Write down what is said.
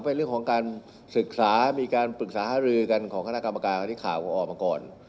เป็นเรื่องของการศึกษามีการปรึกษาหารือกันของคณะกรรมการอันนี้ข่าวออกมาก่อน